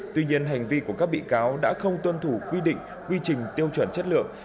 tuy nhiên hành vi của các bị cáo đã không tuân thủ quy định quy trình tiêu chuẩn chất lượng